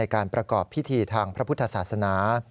การประกอบพิธีทางพระพุทธศาสนา